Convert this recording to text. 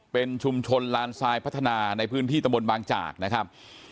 เป็นชุมชนลานทรายพัฒนาในพื้นที่ตะบนบางจากนะครับ